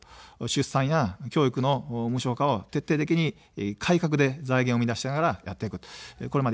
出産や教育の無償化を徹底的に改革で財源を生み出しながらやってきました。